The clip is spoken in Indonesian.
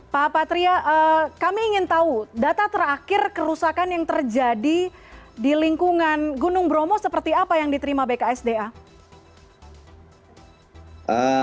pak patria kami ingin tahu data terakhir kerusakan yang terjadi di lingkungan gunung bromo seperti apa yang diterima bksda